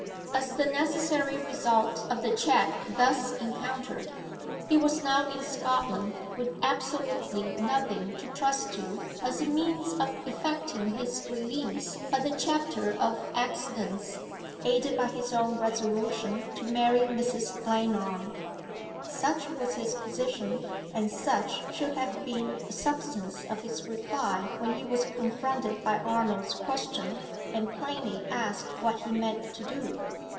As the necessary result of the check thus encountered, he was now in Scotland with absolutely nothing to trust to as a means of effecting his release but the chapter of accidents, aided by his own resolution to marry Mrs. Glenarm. Such was his position, and such should have been the substance of his reply when he was confronted by Arnold's question, and plainly asked what he meant to do.